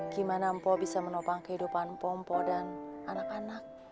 gimana mpok bisa menopang kehidupan mpok mpok dan anak anak